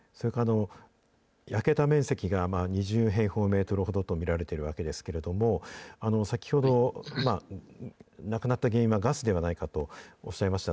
焼けた面積が２０平方メートルほどと見られているわけですけれども、先ほど、亡くなった原因はガスではないかとおっしゃいました。